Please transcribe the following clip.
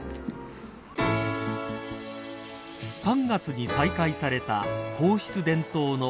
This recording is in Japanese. ［３月に再開された皇室伝統の馬車列］